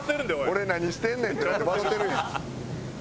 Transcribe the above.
「俺何してんねんってなって笑うてるやん」